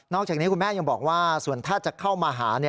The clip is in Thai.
อกจากนี้คุณแม่ยังบอกว่าส่วนถ้าจะเข้ามาหา